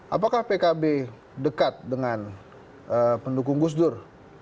apakah pkb dekat dengan pendukung gus dur